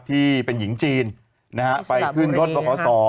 ที่เป็นหญิงจีนไปขึ้นรถประขอสอ